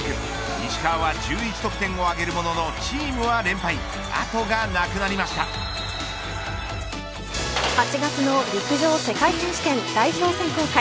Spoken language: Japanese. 石川は１１得点を挙げるもののチームは連敗８月の陸上世界選手権代表選考会。